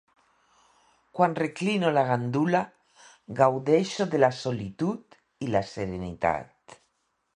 Quan reclino la gandula, gaudeixo de la solitud i la serenitat.